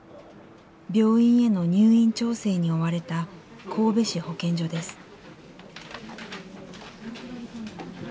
病院への入院調整に追われた神戸市保健所です。